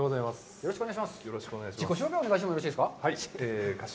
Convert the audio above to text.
よろしくお願いします。